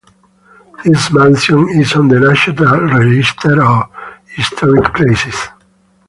This mansion is on the National Register of Historic Places.